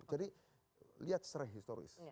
jadi lihat serai historis